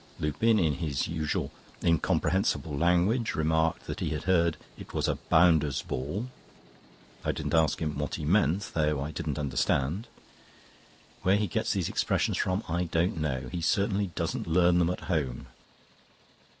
Lupin, in his usual incomprehensible language, remarked that he had heard it was a "bounders' ball." I didn't ask him what he meant though I didn't understand. Where he gets these expressions from I don't know; he certainly doesn't learn them at home.